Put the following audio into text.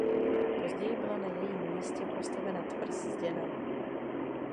Později byla na jejím místě postavena tvrz zděná.